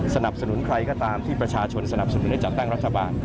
สนับสนุนใครก็ตามที่ประชาชนสนับสนุนให้จัดตั้งรัฐบาล